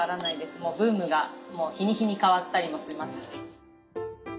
もうブームがもう日に日に変わったりもしますし。